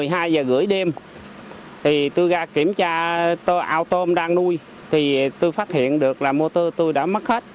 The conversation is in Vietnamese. một mươi hai h ba mươi đêm tôi ra kiểm tra tôm đang nuôi tôi phát hiện được là motor tôi đã mất hết